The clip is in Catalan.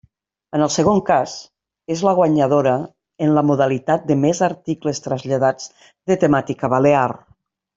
En el segon cas, és la guanyadora en la modalitat de més articles traslladats de temàtica balear.